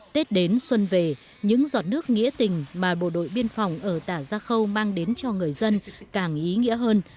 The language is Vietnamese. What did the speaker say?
tết đến xuân về những giọt nước nghĩa tình mà bộ đội biên phòng ở tà gia khâu mang đến cho người dân càng ý nghĩa hơn